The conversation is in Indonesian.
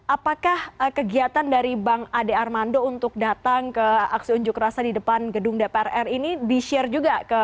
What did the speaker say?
apakah kegiatan dari bang ade armando untuk datang ke aksi unjuk rasa di depan gedung dprr ini di share juga